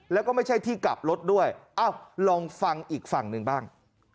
แล้วก็ไม่ใช่ที่กลับรถด้วยเอ้าลองฟังอีกฝั่งหนึ่งบ้าง